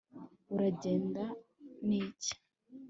uragenda n'iki